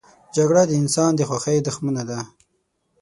جګړه د انسان د خوښۍ دښمنه ده